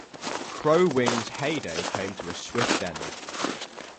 Crow Wing's heyday came to a swift end.